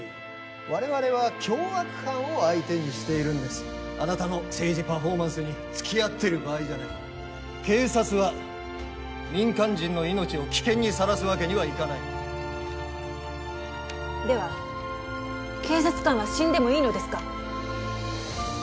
我々は凶悪犯を相手にしているんですあなたの政治パフォーマンスにつきあってる場合じゃない警察は民間人の命を危険にさらすわけにはいかないでは警察官は死んでもいいのですか？